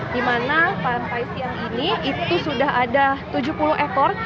di mana pantai siang ini itu sudah ada tujuh puluh ekor